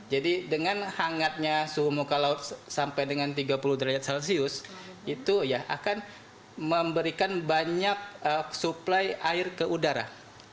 jadi dengan hangatnya suhu muka laut sampai dengan tiga puluh derajat celcius itu akan memberikan banyak suplai air ke udara